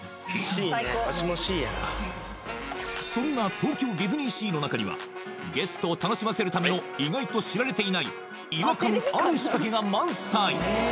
そんな東京ディズニーシーの中にはゲストを楽しませるための意外と知られていない違和感ある仕掛けが満載